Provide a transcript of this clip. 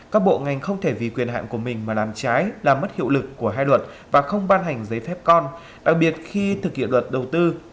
các bộ ngành không thể vì quyền hạn của mình mà làm trái làm mất hiệu lực của hai luật và không ban hành giấy phép con đặc biệt khi thực hiện luật đầu tư